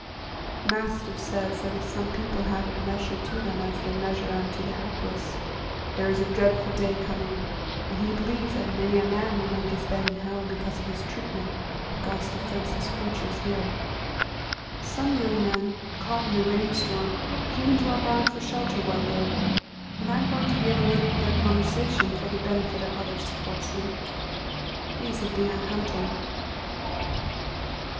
Master says that if some people have it measured to them as they measure unto the helpless, there is a dreadful day coming; and he believes that many a man will make his bed in hell because of his treatment of God's defenseless creatures here. Some young men, caught in a rain storm, came into our barn for shelter one day, and I am going to give a little of their conversation for the benefit of other sportsmen. These had been out hunting.